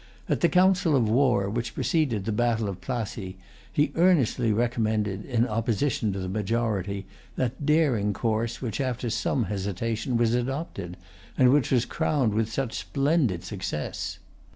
At the council of war which preceded the battle of Plassey, he earnestly recommended, in opposition to the majority, that daring course which, after some hesitation, was adopted, and which was crowned with such splendid success.